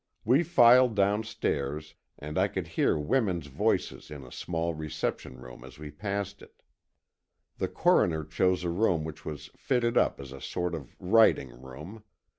We filed downstairs, and I could hear women's voices in a small reception room as we passed it. The Coroner chose a room which was fitted up as a sort of writing room.